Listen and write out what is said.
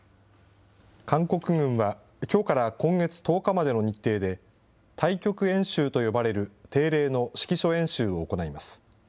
韓国軍はきょうから今月１０日までの日程で、太極演習と呼ばれる定例の指揮所演習を行います。